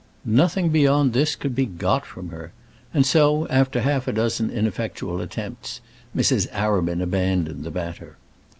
Nothing beyond this could be got from her; and so, after half a dozen ineffectual attempts, Mrs. Arabin abandoned the matter.